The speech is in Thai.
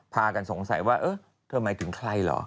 พาการสงสัยว่าแบบเธอหมายถึงใครหรอ